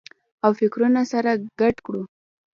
او فکرونه سره ګډ کړو